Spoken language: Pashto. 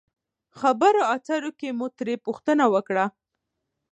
خبرو اترو کښې مو ترې پوښتنه وکړه